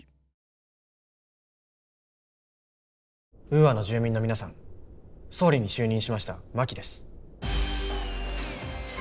ウーアの住民の皆さん総理に就任しました真木です。